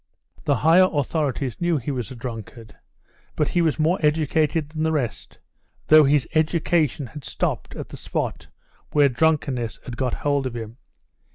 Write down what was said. The higher authorities knew he was a drunkard, but he was more educated than the rest, though his education had stopped at the spot where drunkenness had got hold of him.